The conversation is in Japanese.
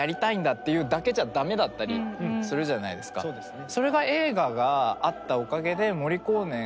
そうですね。